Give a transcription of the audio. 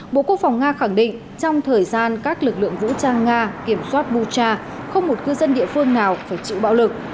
bộ quốc phòng nga khẳng định trong thời gian các lực lượng vũ trang nga kiểm soát bucha không một cư dân địa phương nào phải chịu bạo lực